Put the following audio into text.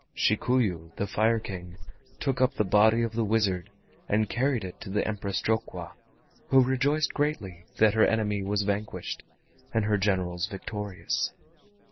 Shikuyu, the Fire King, took up the body of the wizard and carried it to the Empress Jokwa, who rejoiced greatly that her enemy was vanquished, and her generals victorious.